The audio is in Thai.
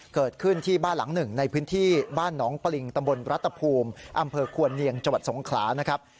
เกิดขึ้นที่บ้านหลังหนึ่งในพื้นที่บ้านหนองปริงตำบลรัฐภูมิอำเภอควรเนียงจังหวัดสงขลานะครับ